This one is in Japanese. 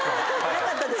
なかったです